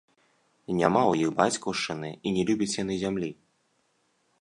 Няма ў іх бацькаўшчыны і не любяць яны зямлі.